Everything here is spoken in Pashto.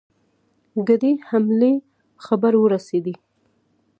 ګډې حملې خبر ورسېدی.